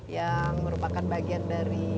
yang merupakan bagian dari